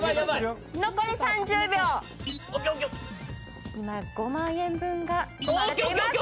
残り３０秒、今、５万円分が積まれています。